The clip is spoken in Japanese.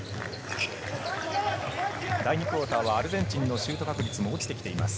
第２クオーターはアルゼンチンのシュート確率も落ちてきています。